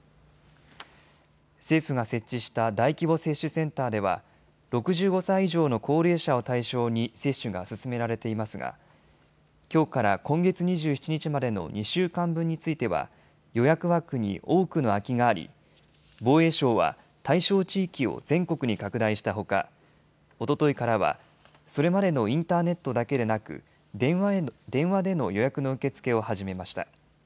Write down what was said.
政府が設置した大規模接種センターでは６５歳以上の高齢者を対象に接種が進められていますがきょうから今月２７日までの２週間分については予約枠に多くの空きがあり防衛省は対象地域を全国に拡大したほかおとといからはそれまでのインターネットだけでなく電話での予約の受け付けを始めました。